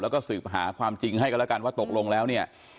แล้วก็สืบหาความจริงให้กันแล้วกันว่าตกลงแล้วเนี่ย